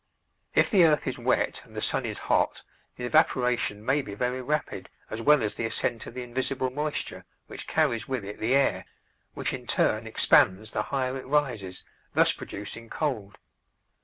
If the earth is wet and the sun is hot the evaporation may be very rapid as well as the ascent of the invisible moisture, which carries with it the air, which in turn expands the higher it rises, thus producing cold.